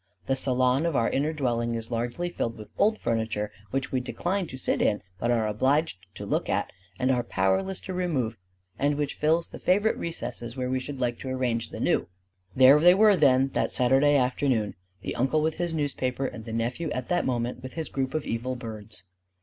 The salon of our inner dwelling is largely filled with old furniture which we decline to sit in, but are obliged to look at, and are powerless to remove; and which fills the favorite recesses where we should like to arrange the new. There they were, then, that Saturday afternoon: the uncle with his newspaper and the nephew at that moment with his group of evil birds.